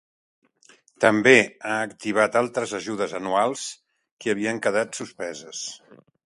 També ha activat altres ajudes anuals que havien quedat suspeses.